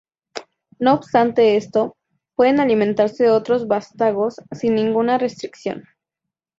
No obstante esto, pueden alimentarse de otros Vástagos sin ninguna restricción.